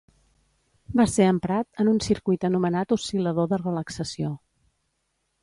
Va ser emprat en un circuit anomenat oscil·lador de relaxació.